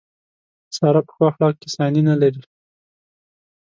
ساره په ښو اخلاقو کې ثاني نه لري.